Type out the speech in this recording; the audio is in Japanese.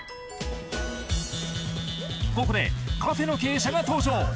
ここで、カフェの経営者が登場。